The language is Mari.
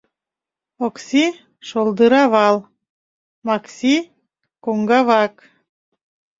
Окси — шӧлдыравал Макси — коҥгавак.